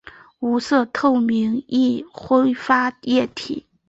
无色透明易挥发液体。